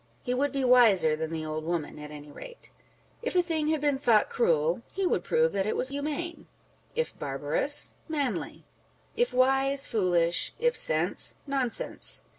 He would be wiser than the old woman at any rate. If a thing had been thought cruel, he would prove that it was humane ; if barbarous, manly ; if wise, foolish ; if sense, nonsense.